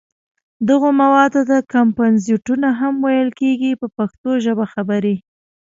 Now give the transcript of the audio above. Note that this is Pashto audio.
دغو موادو ته کمپوزېټونه هم ویل کېږي په پښتو ژبه خبرې.